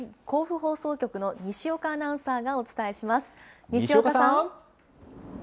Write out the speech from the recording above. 甲府放送局の西岡アナウンサーがお伝えします。